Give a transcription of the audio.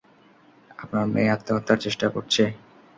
আপনার মেয়ে আত্মহত্যার চেষ্টা করছে।